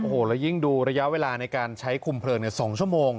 โอ้โหแล้วยิ่งดูระยะเวลาในการใช้คุมเพลิง๒ชั่วโมง